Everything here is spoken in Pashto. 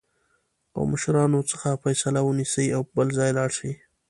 او مشرانو څخه فاصله ونیسي او بل ځای لاړ شي